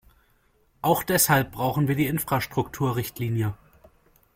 Auch deshalb brauchen wir die Infrastrukturrichtlinie.